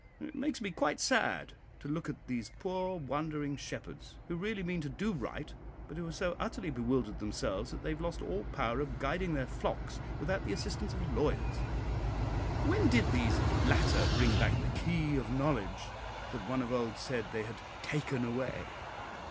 "It makes me quite sad to look at these poor wandering shepherds, who really mean to do right, but who are so utterly bewildered themselves, that they have lost all power of guiding their flocks without the assistance of lawyers. When did these latter bring back 'the key of knowledge,' that one of old said they had 'taken away?'